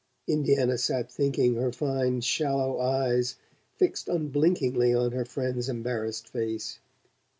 Indiana sat thinking, her fine shallow eyes fixed unblinkingly on her friend's embarrassed face.